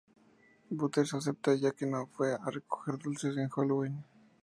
Butters acepta ya que no fue a recoger dulces en Halloween.